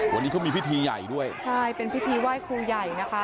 วันนี้เขามีพิธีใหญ่ด้วยใช่เป็นพิธีไหว้ครูใหญ่นะคะ